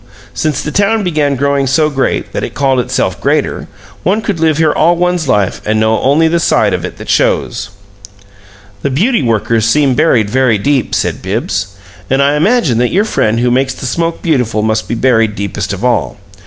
Since the town began growing so great that it called itself 'greater,' one could live here all one's life and know only the side of it that shows." "The beauty workers seem buried very deep," said Bibbs. "And I imagine that your friend who makes the smoke beautiful must be buried deepest of all.